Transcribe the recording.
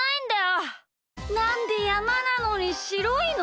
なんでやまなのにしろいの？